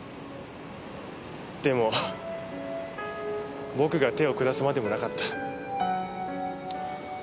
でも僕が手を下すまでもなかった。